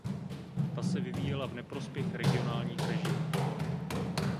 Ta se vyvíjela v neprospěch regionálních režimů.